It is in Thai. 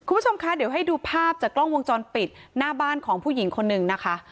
คุณผู้ชมคะเดี๋ยวให้ดูภาพจากกล้องวงจรปิดหน้าบ้านของผู้หญิงคนนึงนะคะ